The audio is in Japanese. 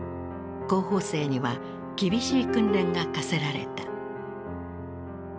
候補生には厳しい訓練が課せられた。